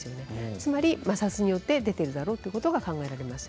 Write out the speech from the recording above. つまり摩擦によって出ているだろうと考えられます。